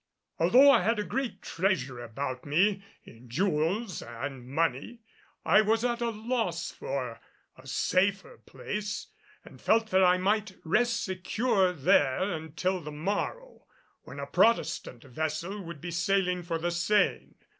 Although I had a great treasure about me in jewels and money, I was at a loss for a safer place and felt that I might rest secure there until the morrow, when a Protestant vessel would be sailing for the Seine.